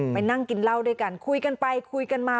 นั่งกินเหล้าด้วยกันคุยกันไปคุยกันมา